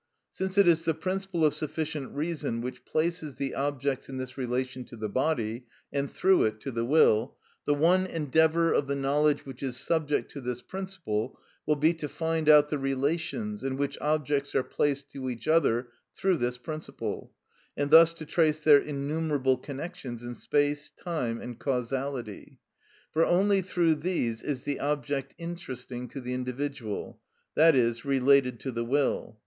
Since it is the principle of sufficient reason which places the objects in this relation to the body, and, through it, to the will, the one endeavour of the knowledge which is subject to this principle will be to find out the relations in which objects are placed to each other through this principle, and thus to trace their innumerable connections in space, time, and causality. For only through these is the object interesting to the individual, i.e., related to the will.